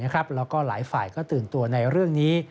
แล้วก็หลายฝ่ายก็ตื่นตัวในเรื่องนี้